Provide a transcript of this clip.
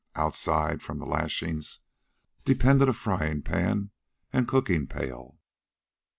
Outside, from the lashings, depended a frying pan and cooking pail.